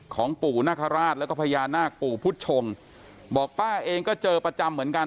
ของปู่นาคาราชแล้วก็พญานาคปู่พุทธชงบอกป้าเองก็เจอประจำเหมือนกัน